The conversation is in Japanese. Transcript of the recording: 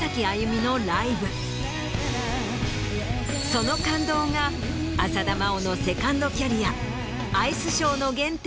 その感動が浅田真央のセカンドキャリア。